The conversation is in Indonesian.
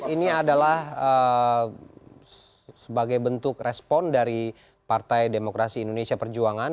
ini adalah sebagai bentuk respon dari partai demokrasi indonesia perjuangan